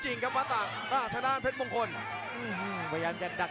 จังหวาดึงซ้ายตายังดีอยู่ครับเพชรมงคล